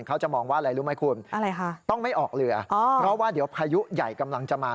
เขาจะมองว่าอะไรรู้ไหมคุณอะไรคะต้องไม่ออกเรืออ๋อเพราะว่าเดี๋ยวพายุใหญ่กำลังจะมา